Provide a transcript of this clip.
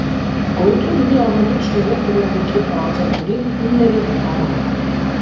Գոյություն ունի ավանդույթ շնորհել տվյալ դիրքի խաղացողներին իններորդ համարը։